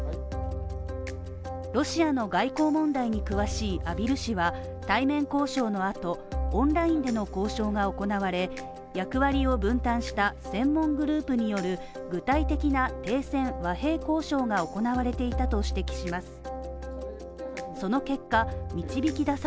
ロシアの外交問題に詳しい、畔蒜氏は、対面交渉のあとオンラインでの交渉が行われ、役割を分担した専門グループによる具体的な停戦・和平交渉が行われていたと指摘します。